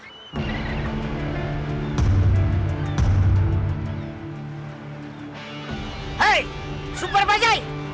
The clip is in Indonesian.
hei super bajaj